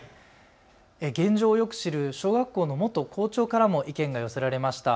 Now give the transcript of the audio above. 現状をよく知る小学校の元校長からも意見が寄せられました。